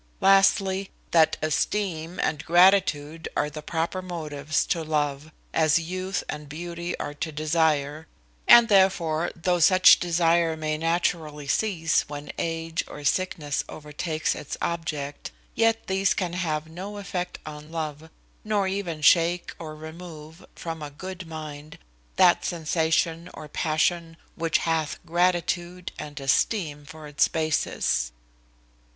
Lastly, that esteem and gratitude are the proper motives to love, as youth and beauty are to desire, and, therefore, though such desire may naturally cease, when age or sickness overtakes its object; yet these can have no effect on love, nor ever shake or remove, from a good mind, that sensation or passion which hath gratitude and esteem for its basis.